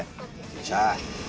よっしゃ。